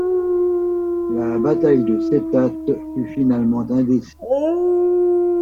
La bataille de Cetate fut finalement indécise.